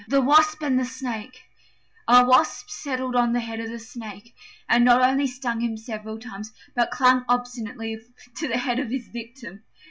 THE WASP AND THE SNAKE A Wasp settled on the head of a Snake, and not only stung him several times, but clung obstinately to the head of his victim.